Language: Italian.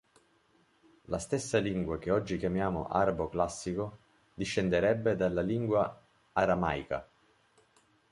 La stessa lingua che oggi chiamiamo ”arabo classico” discenderebbe dalla lingua aramaica.